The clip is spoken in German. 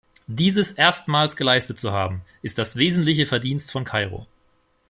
Dieses erstmals geleistet zu haben, ist das wesentliche Verdienst von Kairo.